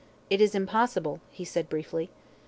"It is impossible," he said briefly.